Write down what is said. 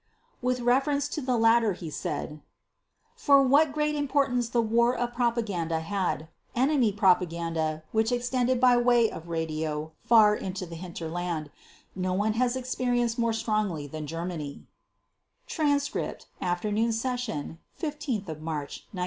With reference to the latter he said: "For what great importance the war of propaganda had, enemy propaganda which extended by way of radio far into the hinterland, no one has experienced more strongly than Germany" (Transcript, Afternoon Session, 15 March 1946).